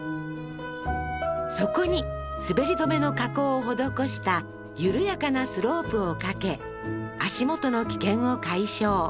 そこに滑り止めの加工を施した緩やかなスロープをかけ足元の危険を解消